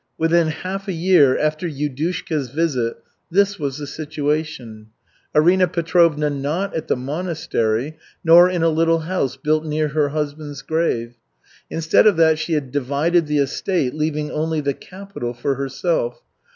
Within half a year after Yudushka's visit this was the situation: Arina Petrovna not at the monastery, nor in a little house built near her husband's grave. Instead of that she had divided the estate, leaving only the capital for herself.